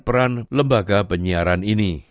peran lembaga penyiaran ini